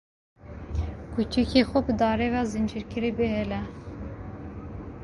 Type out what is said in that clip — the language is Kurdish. Kûçikê xwe bi darê ve zincîrkirî bihêle.